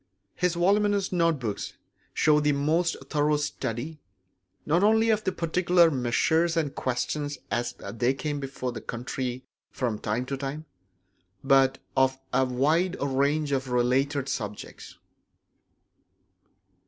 His voluminous note books show the most thorough study, not only of particular measures and questions as they came before the country from time to time, but of a wide range of related subjects.